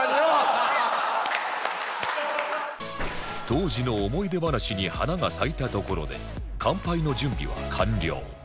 当時の思い出話に花が咲いたところで乾杯の準備は完了